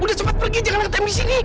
udah cepat pergi jangan ada tembik sini